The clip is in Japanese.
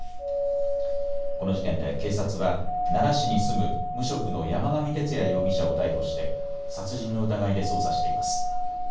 この事件で警察は奈良市に住む無職の山上徹也容疑者を逮捕して殺人の疑いで捜査しています。